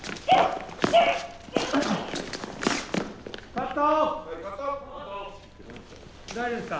カット。